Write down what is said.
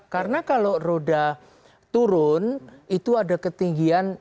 karena kalau roda turun itu ada ketinggian